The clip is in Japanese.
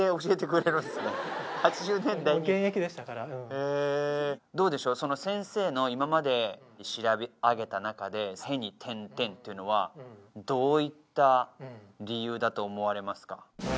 ８０年代へえ現役でしたからどうでしょう先生の今まで調べ上げた中で「へ」に点々っていうのはどういった理由だと思われますか？